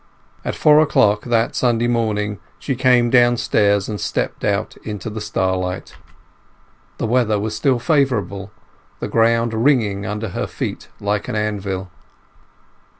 At four o'clock that Sunday morning she came downstairs and stepped out into the starlight. The weather was still favourable, the ground ringing under her feet like an anvil.